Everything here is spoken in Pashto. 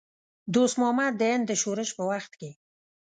دوست محمد د هند د شورش په وخت کې.